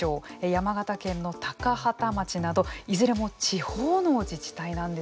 山形県の高畠町などいずれも地方の自治体なんですね。